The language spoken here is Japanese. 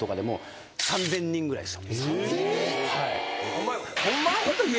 お前。